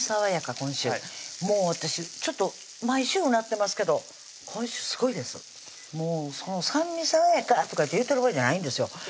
今週もう私ちょっと毎週うなってますけど今週すごいです「酸味さわやか」とか言ってる場合じゃないんですよ